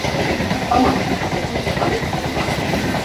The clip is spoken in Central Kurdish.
ئەو هەموو کتێبەت لەکوێ کڕیوە؟